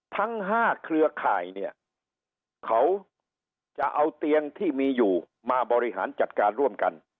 ทั้ง๕เครือข่ายเนี่ยเขาจะเอาเตียงที่มีอยู่มาบริหารจัดการร่วมกัน